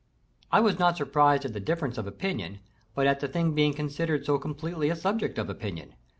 I was not surprised at the difference of opinion, but at the thing being considered so completely a subject of opinion.